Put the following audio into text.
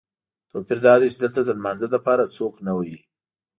توپیر دادی چې دلته د لمانځه لپاره څوک نه وهي.